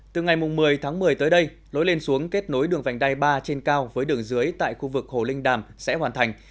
từ ngày một mươi tháng một mươi tới đây lối lên xuống kết nối đường vành đai ba trên cao với đường dưới tại khu vực hồ linh đàm sẽ hoàn thành